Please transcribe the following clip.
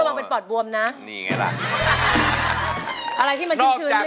วคุณเป็นอะไรหรอ